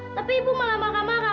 tapi ibu malah marah marah